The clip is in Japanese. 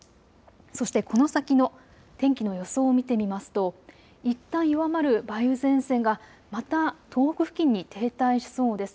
そしてこの先の天気の予想を見てみますと、いったん弱まる梅雨前線がまた東北付近に停滞しそうです。